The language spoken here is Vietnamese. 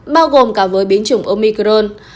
bao gồm cả với biến chủng omicron